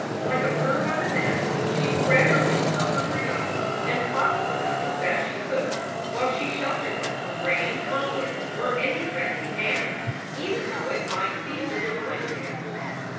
Like a bird on a nest, she spread her wings over her young and fought for them as best she could, while she sheltered them from rain or wind or any threatening hand, even though it might be the divine hand.